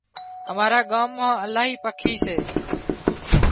امارا ڳام مان الاهي پکي سي